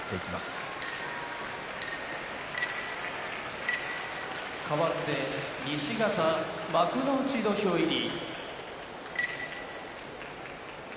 柝きの音かわって西方幕内土俵入り。